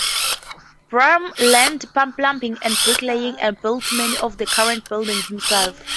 Brahm learnt plumbing and bricklaying and built many of the current buildings himself.